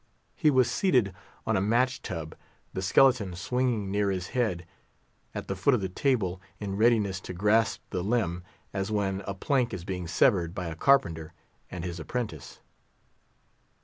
He was seated on a match tub—the skeleton swinging near his head—at the foot of the table, in readiness to grasp the limb, as when a plank is being severed by a carpenter and his apprentice.